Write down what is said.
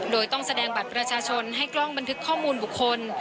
โดยต้องแสดงบัตรประชาชนให้กล้องบันทึกข้อมูลบุคคล